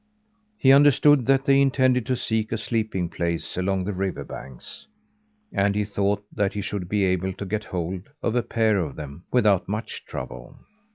He understood that they intended to seek a sleeping place along the river banks, and he thought that he should be able to get hold of a pair of them without much trouble.